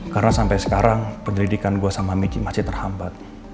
karena sampai sekarang pendidikan gue sama miki masih terhambat